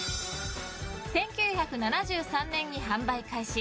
１９７３年に販売開始。